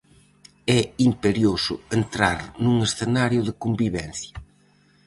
É imperioso entrar nun escenario de convivencia.